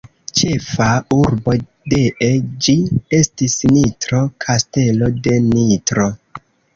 Ĉefa urbo dee ĝi estis Nitro, Kastelo de Nitro.